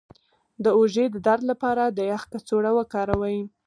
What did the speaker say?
د اوږې د درد لپاره د یخ کڅوړه وکاروئ